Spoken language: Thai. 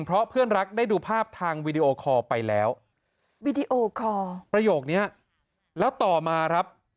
เพราะเพื่อนรักได้ดูภาพทางวีดีโอคอลไปแล้ววีดีโอคอร์ประโยคนี้แล้วต่อมาครับ